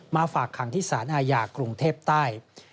มาฝากขังภาคธิสานอาหยากรุงเทพใต้